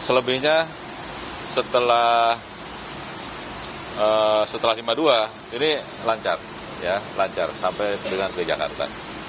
selebihnya setelah lima dua ini lancar sampai ke jakarta